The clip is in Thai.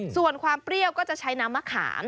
ส่วนความเปรี้ยวก็จะใช้น้ำมะขาม